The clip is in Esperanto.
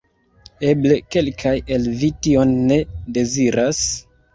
Eble, kelkaj el vi tion ne deziras?